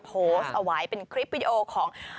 โพสต์เอาไว้เป็นคลิปวิดีโอของ